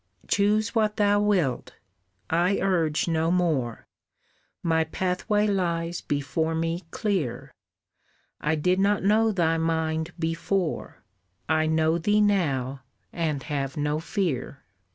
Choose what thou wilt, I urge no more, My pathway lies before me clear, I did not know thy mind before, I know thee now, and have no fear."